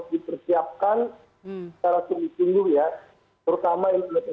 tidak terbayar atau